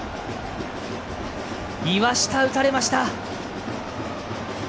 岩下、打たれました。